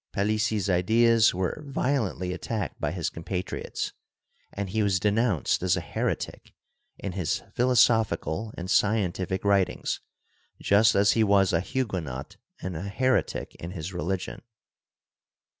Palissy's ideas were violently attacked by his compatriots, and he was de nounced as a heretic in his philosophical and scientific writings just as he was a Huguenot and a heretic in his religion.